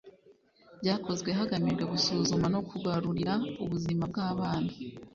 byakozwe hagamijwe gusuzuma no kugarurira ubuzima bw'abana